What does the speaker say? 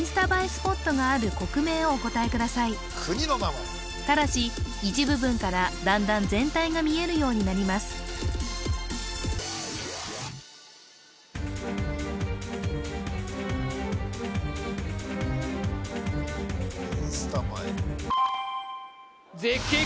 スポットがある国名をお答えくださいただし一部分から段々全体が見えるようになります絶景